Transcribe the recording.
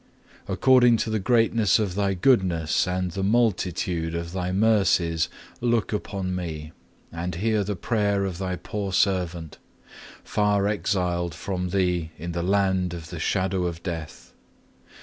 According to the greatness of Thy goodness and the multitude of Thy mercies look upon me, and hear the prayer of Thy poor servant, far exiled from Thee in the land of the shadow of death.